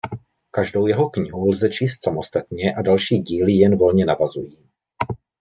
Každou jeho knihu lze číst samostatně a další díly jen volně navazují.